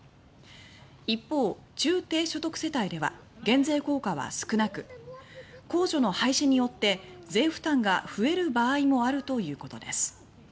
一方、中低所得世帯では減税効果は少なく控除の廃止によって税負担が増える場合もあるということです。